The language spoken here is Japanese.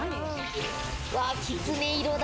きつね色だ。